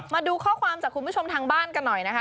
มาดูข้อความจากคุณผู้ชมทางบ้านกันหน่อยนะคะ